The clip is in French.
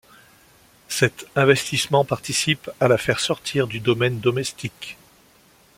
Cet investissement participe à la faire sortir du domaine domestique.